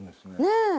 ねえ。